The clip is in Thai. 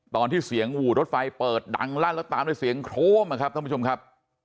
ตอนที่เสียงหวูดรถไฟเปิดดังลั่นแล้วตามด้วยเสียงโครมนะครับท่านผู้ชมครับ